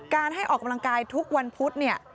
ให้ออกกำลังกายทุกวันพุธเนี่ย